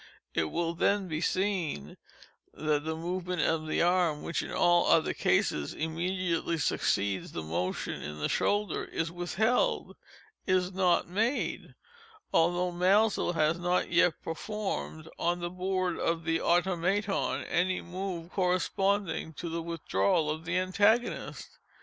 It will then be seen that the movement of the arm, which, in all other cases, immediately succeeds the motion in the shoulder, is withheld—is not made—although Maelzel has not yet performed, on the board of the Automaton, any move corresponding to the withdrawal of the antagonist.